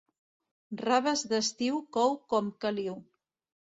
Raves d'estiu cou com caliu.